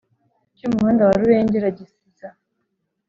Cy umuhanda wa rubengera gisiza